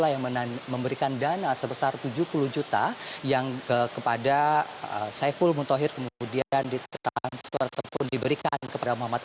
yang memberikan dana sebesar tujuh puluh juta yang kepada saiful muntohir kemudian ditransfer ataupun diberikan kepada muhammad